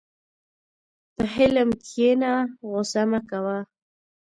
په حلم کښېنه، غوسه مه کوه.